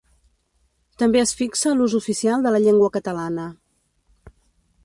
També es fixa l'ús oficial de la llengua catalana.